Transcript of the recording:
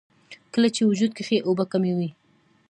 کله چې وجود کښې اوبۀ کمې وي